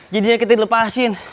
jadinya kita dilepasin